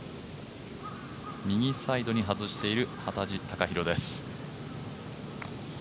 右サイドに外している幡地隆寛です。